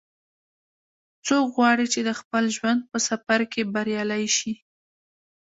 څوک غواړي چې د خپل ژوند په سفر کې بریالۍ شي